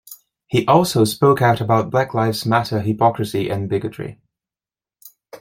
He also spoke out about Black Lives Matter hypocrisy and bigotry.